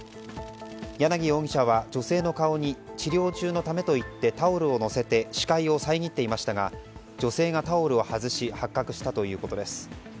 柳容疑者は女性の顔に治療中のためと言ってタオルを乗せて視界を遮っていましたが女性がタオルを外し発覚したということです。